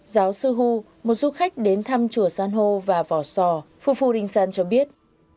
giáo sư hu một du khách đến thăm chùa san hô và vỏ sò phu phu đinh san cho biết